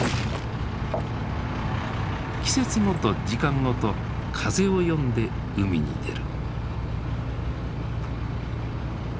季節ごと時間ごと風を読んで海に出る。